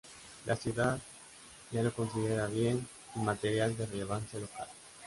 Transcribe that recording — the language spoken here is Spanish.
La ciudad ya lo considera Bien Inmaterial de Relevancia Local.